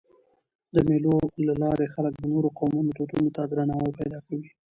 د مېلو له لاري خلک د نورو قومونو دودونو ته درناوی پیدا کوي.